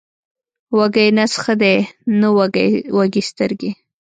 وږی نس ښه دی، نه وږې سترګې.